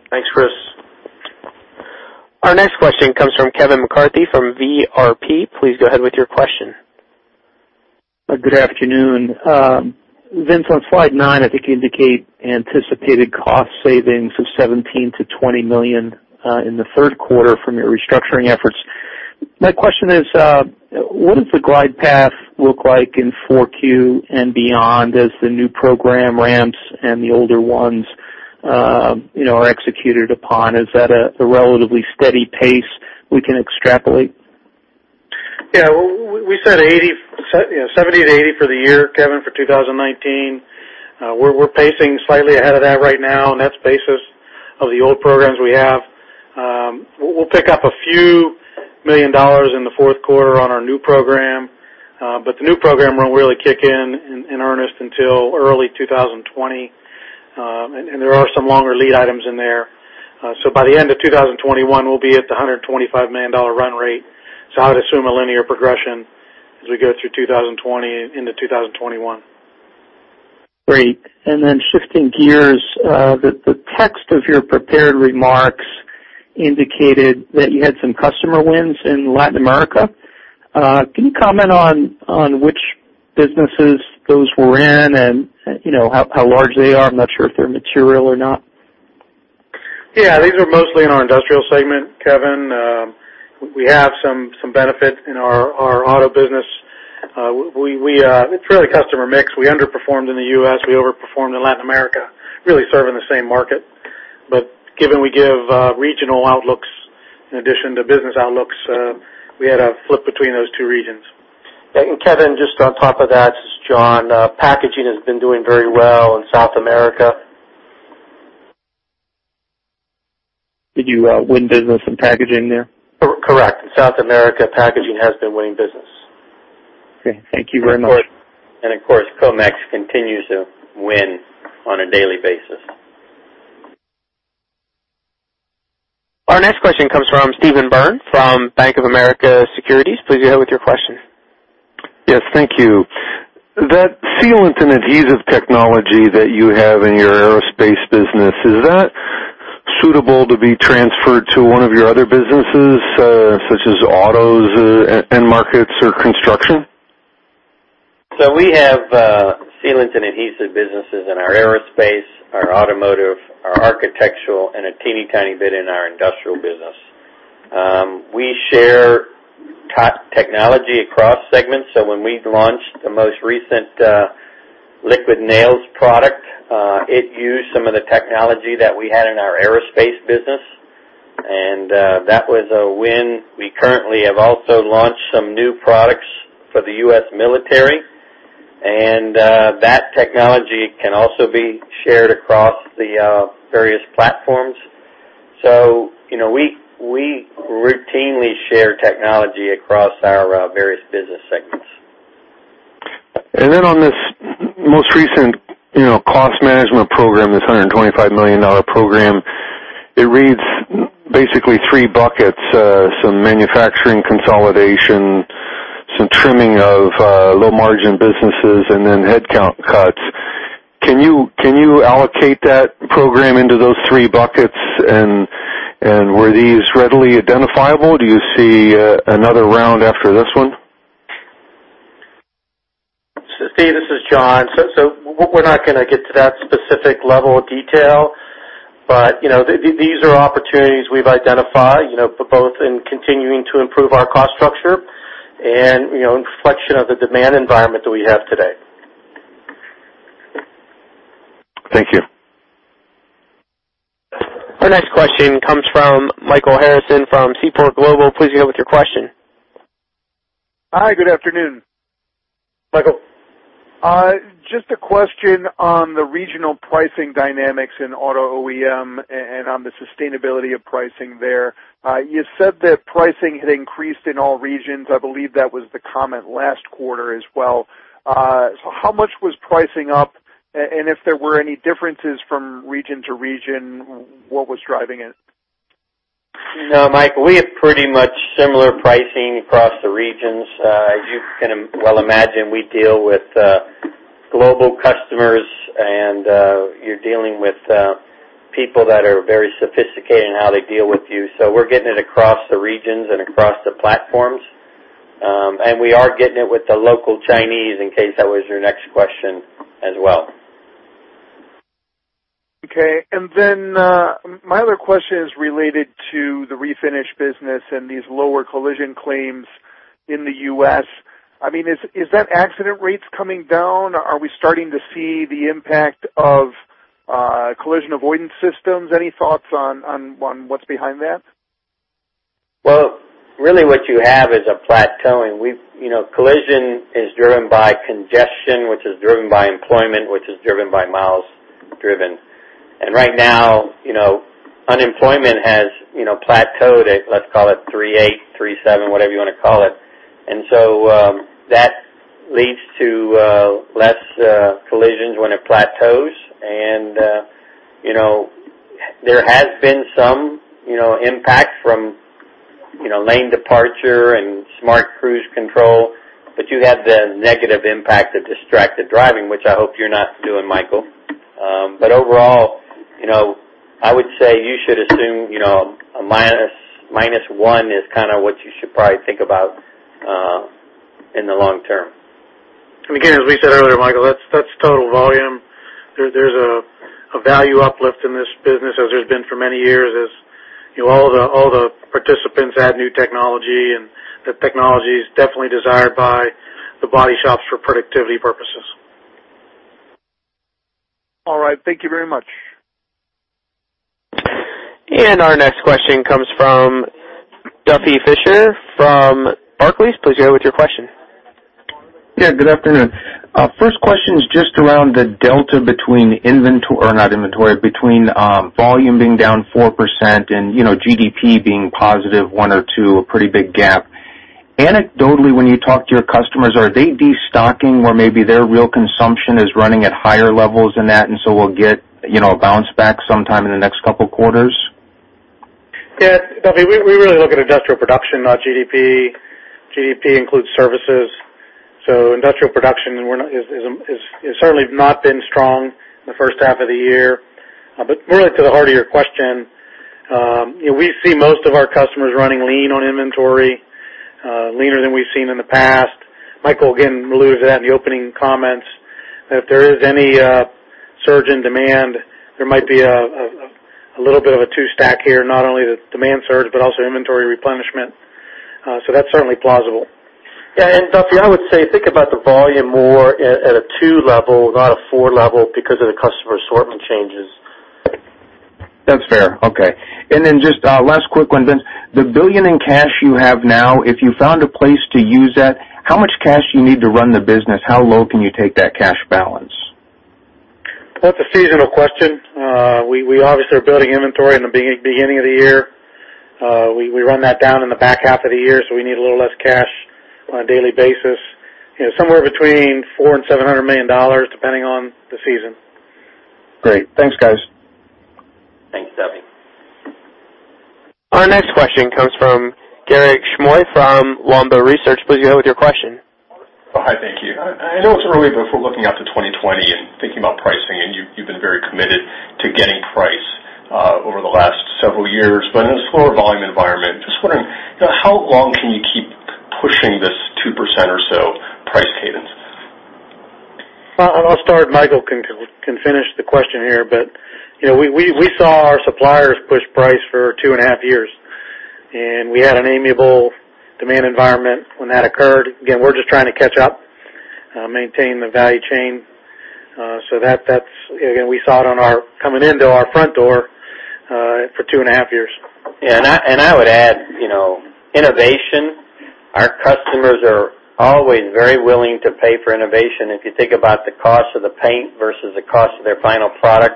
Thanks, Chris. Our next question comes from Kevin McCarthy from VRP. Please go ahead with your question. Good afternoon. Vince, on slide nine, I think you indicate anticipated cost savings of $17 million-$20 million in the third quarter from your restructuring efforts. My question is, what does the glide path look like in four Q and beyond as the new program ramps and the older ones are executed upon? Is that a relatively steady pace we can extrapolate? Yeah. We said $70 million-$80 million for the year, Kevin, for 2019. We're pacing slightly ahead of that right now, and that's basis of the old programs we have. We'll pick up a few million dollars in the fourth quarter on our new program. The new program won't really kick in in earnest until early 2020. There are some longer lead items in there. By the end of 2021, we'll be at the $125 million run rate. I would assume a linear progression as we go through 2020 into 2021. Great. Shifting gears, the text of your prepared remarks indicated that you had some customer wins in Latin America. Can you comment on which businesses those were in and how large they are? I'm not sure if they're material or not. Yeah. These are mostly in our Industrial segment, Kevin. We have some benefit in our auto business. It's really customer mix. We underperformed in the U.S., we overperformed in Latin America, really serving the same market. Given we give regional outlooks in addition to business outlooks, we had a flip between those two regions. Kevin, just on top of that, this is John. Packaging has been doing very well in South America. Did you win business in packaging there? Correct. South America packaging has been winning business. Okay. Thank you very much. Comex continues to win on a daily basis. Our next question comes from Steve Byrne from Bank of America Securities. Please go ahead with your question. Yes. Thank you. That sealant and adhesive technology that you have in your Aerospace business, is that suitable to be transferred to one of your other businesses, such as autos end markets or construction? We have sealants and adhesive businesses in our Aerospace, our automotive, our architectural, and a teeny tiny bit in our Industrial business. We share top technology across segments. When we launched the most recent Liquid Nails product, it used some of the technology that we had in our Aerospace business, and that was a win. We currently have also launched some new products for the U.S. military, and that technology can also be shared across the various platforms. We routinely share technology across our various business segments. On this most recent cost management program, this $125 million program, it reads basically three buckets, some manufacturing consolidation, some trimming of low-margin businesses, and headcount cuts. Can you allocate that program into those three buckets? Were these readily identifiable? Do you see another round after this one? Steve, this is John. We're not going to get to that specific level of detail, these are opportunities we've identified, both in continuing to improve our cost structure and a reflection of the demand environment that we have today. Thank you. Our next question comes from Michael Harrison from Seaport Research Partners. Please go ahead with your question. Hi, good afternoon. Michael. Just a question on the regional pricing dynamics in auto OEM and on the sustainability of pricing there. You said that pricing had increased in all regions. I believe that was the comment last quarter as well. How much was pricing up, and if there were any differences from region to region, what was driving it? No, Michael, we have pretty much similar pricing across the regions. As you can well imagine, we deal with global customers, and you're dealing with people that are very sophisticated in how they deal with you. We're getting it across the regions and across the platforms. We are getting it with the local Chinese, in case that was your next question as well. Okay, my other question is related to the refinish business and these lower collision claims in the U.S. Is that accident rates coming down? Are we starting to see the impact of collision avoidance systems? Any thoughts on what's behind that? Well, really what you have is a plateau. Collision is driven by congestion, which is driven by employment, which is driven by miles driven. Right now, unemployment has plateaued at, let's call it three eight, three seven, whatever you want to call it. That leads to less collisions when it plateaus. There has been some impact from lane departure and smart cruise control. You have the negative impact of distracted driving, which I hope you're not doing, Michael. Overall, I would say you should assume a minus one is kind of what you should probably think about in the long term. Again, as we said earlier, Michael, that's total volume. There's a value uplift in this business as there's been for many years as all the participants add new technology. The technology is definitely desired by the body shops for productivity purposes. All right. Thank you very much. Our next question comes from Duffy Fischer from Barclays. Please go ahead with your question. Yeah, good afternoon. First question is just around the delta between volume being down 4% and GDP being positive 1% or 2%, a pretty big gap. Anecdotally, when you talk to your customers, are they destocking or maybe their real consumption is running at higher levels than that, and so we'll get a bounce back sometime in the next couple of quarters? Yeah, Duffy, we really look at industrial production, not GDP. GDP includes services. Industrial production has certainly not been strong in the first half of the year. Really to the heart of your question, we see most of our customers running lean on inventory, leaner than we've seen in the past. Michael, again, alluded to that in the opening comments, that if there is any surge in demand, there might be a little bit of a two-stack here, not only the demand surge, but also inventory replenishment. That's certainly plausible. Yeah, Duffy, I would say, think about the volume more at a 2 level, not a 4 level because of the customer assortment changes. That's fair. Okay. Just last quick one then. The $1 billion in cash you have now, if you found a place to use that, how much cash do you need to run the business? How low can you take that cash balance? That's a seasonal question. We obviously are building inventory in the beginning of the year. We run that down in the back half of the year, so we need a little less cash on a daily basis. Somewhere between $400 and $700 million, depending on the season. Great. Thanks, guys. Thanks, Duffy. Our next question comes from Garik Shmois from Longbow Research. Please go ahead with your question. Hi, thank you. I know it's early. If we're looking out to 2020 and thinking about pricing, you've been very committed to getting price over the last several years. In a slower volume environment, just wondering how long can you keep pushing this? Michael can finish the question here. We saw our suppliers push price for two and a half years, and we had an amenable demand environment when that occurred. Again, we're just trying to catch up, maintain the value chain. Again, we saw it coming into our front door for two and a half years. Yeah, I would add, innovation. Our customers are always very willing to pay for innovation. If you think about the cost of the paint versus the cost of their final product.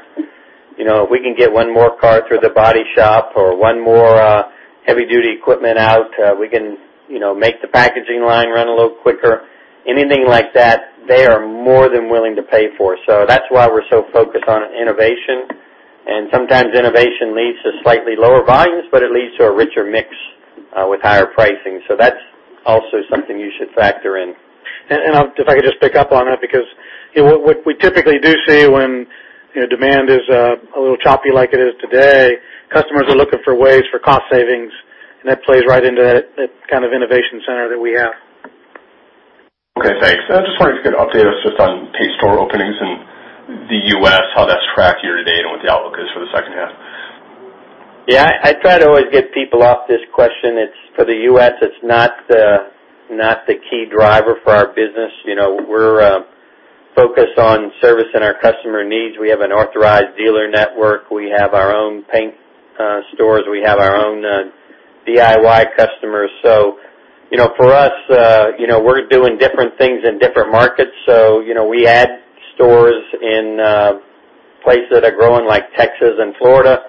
If we can get one more car through the body shop or one more heavy duty equipment out, we can make the packaging line run a little quicker. Anything like that, they are more than willing to pay for. That's why we're so focused on innovation. Sometimes innovation leads to slightly lower volumes, it leads to a richer mix with higher pricing. That's also something you should factor in. If I could just pick up on that, because what we typically do see when demand is a little choppy like it is today, customers are looking for ways for cost savings, that plays right into that kind of innovation center that we have. Okay, thanks. I just wanted to get an update just on paint store openings in the U.S., how that's tracked year to date, what the outlook is for the second half. Yeah, I try to always get people off this question. For the U.S., it's not the key driver for our business. We're focused on servicing our customer needs. We have an authorized dealer network. We have our own paint stores. We have our own DIY customers. For us, we're doing different things in different markets. We add stores in places that are growing, like Texas and Florida,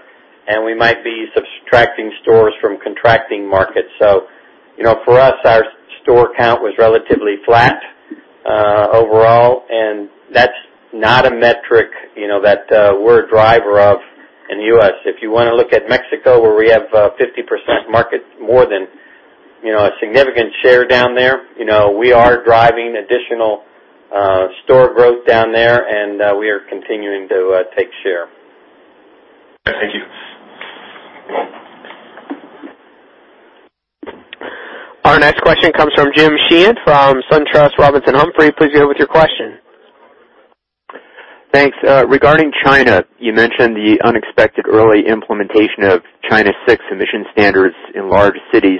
and we might be subtracting stores from contracting markets. For us, our store count was relatively flat overall, and that's not a metric that we're a driver of in the U.S. If you want to look at Mexico, where we have 50% market, more than a significant share down there. We are driving additional store growth down there, and we are continuing to take share. Thank you. Our next question comes from James Sheehan from SunTrust Robinson Humphrey. Please go ahead with your question. Thanks. Regarding China, you mentioned the unexpected early implementation of China 6 emission standards in large cities.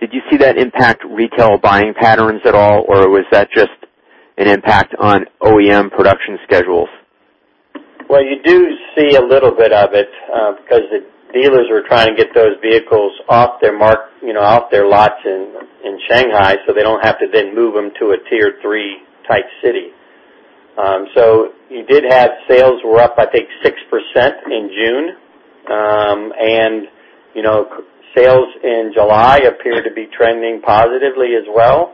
Did you see that impact retail buying patterns at all, or was that just an impact on OEM production schedules? Well, you do see a little bit of it, because the dealers were trying to get those vehicles off their lots in Shanghai, so they don't have to then move them to a tier 3 type city. You did have sales were up, I think, 6% in June. Sales in July appear to be trending positively as well.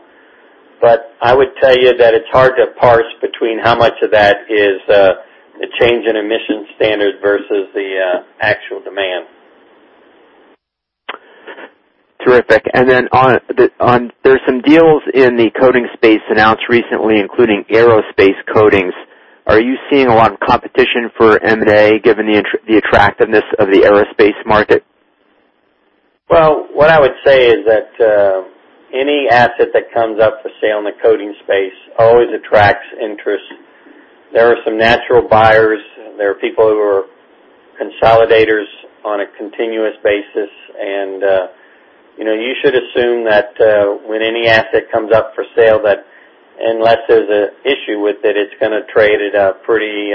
I would tell you that it's hard to parse between how much of that is a change in emissions standards versus the actual demand. Terrific. Then there's some deals in the coatings space announced recently, including aerospace coatings. Are you seeing a lot of competition for M&A, given the attractiveness of the aerospace market? Well, what I would say is that any asset that comes up for sale in the coating space always attracts interest. There are some natural buyers. There are people who are consolidators on a continuous basis. You should assume that when any asset comes up for sale, that unless there's an issue with it's going to trade at a pretty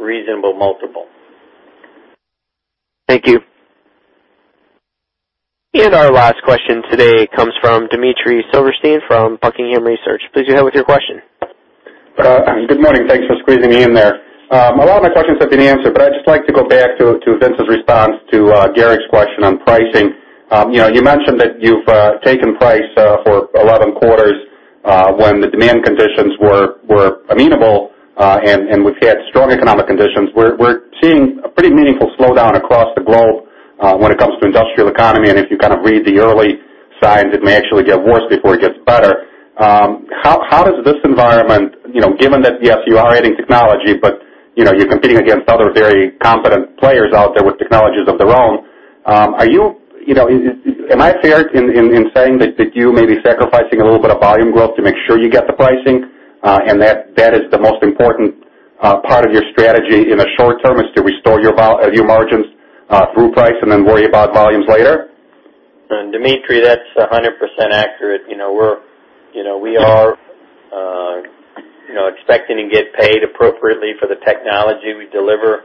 reasonable multiple. Thank you. Our last question today comes from Dmitry Silversteyn from Buckingham Research. Please go ahead with your question. Good morning. Thanks for squeezing me in there. A lot of my questions have been answered, but I'd just like to go back to Vince's response to Garik's question on pricing. You mentioned that you've taken price for 11 quarters when the demand conditions were amenable, and we've had strong economic conditions. We're seeing a pretty meaningful slowdown across the globe when it comes to industrial economy, and if you kind of read the early signs, it may actually get worse before it gets better. How does this environment, given that, yes, you are adding technology, but you're competing against other very competent players out there with technologies of their own? Am I fair in saying that you may be sacrificing a little bit of volume growth to make sure you get the pricing, and that is the most important part of your strategy in the short term, is to restore your margins through price and then worry about volumes later? Dmitry, that's 100% accurate. We are expecting to get paid appropriately for the technology we deliver.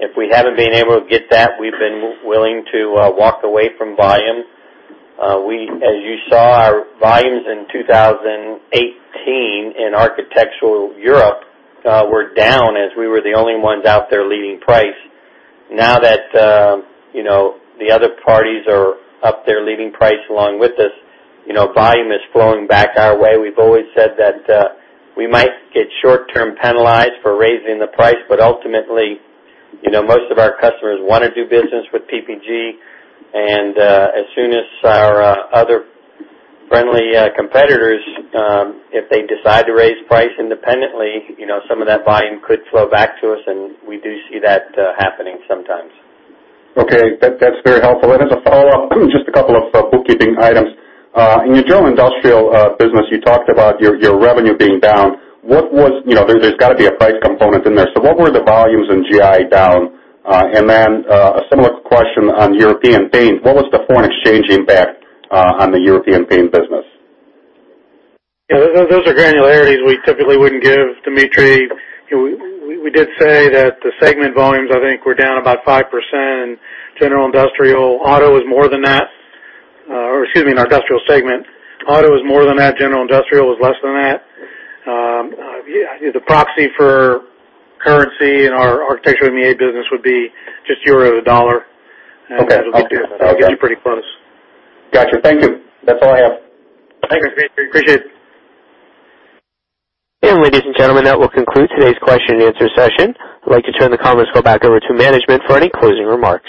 If we haven't been able to get that, we've been willing to walk away from volume. As you saw, our volumes in 2018 in architectural Europe were down as we were the only ones out there leading price. Now that the other parties are up there leading price along with us, volume is flowing back our way. We've always said that we might get short term penalized for raising the price, but ultimately, most of our customers want to do business with PPG, and as soon as our other friendly competitors, if they decide to raise price independently, some of that volume could flow back to us, and we do see that happening sometimes. Okay. That's very helpful. As a follow-up, just a couple of bookkeeping items. In your general industrial business, you talked about your revenue being down. There's got to be a price component in there. What were the volumes in GI down? And then a similar question on European paint. What was the foreign exchange impact on the European paint business? Those are granularities we typically wouldn't give, Dmitry. We did say that the segment volumes, I think, were down about 5% in general industrial. Auto was more than that. Or excuse me, in our industrial segment. Auto was more than that. General Industrial was less than that. The proxy for currency in our architecture in the A business would be just euro to USD. Okay. That'll get you pretty close. Got you. Thank you. That's all I have. Thank you, Dmitry. Appreciate it. Ladies and gentlemen, that will conclude today's question and answer session. I'd like to turn the conference call back over to management for any closing remarks.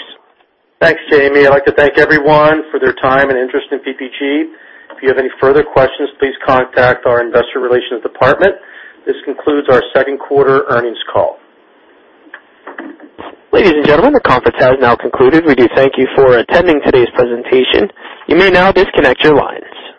Thanks, Jamie. I'd like to thank everyone for their time and interest in PPG. If you have any further questions, please contact our investor relations department. This concludes our second quarter earnings call. Ladies and gentlemen, the conference has now concluded. We do thank you for attending today's presentation. You may now disconnect your lines.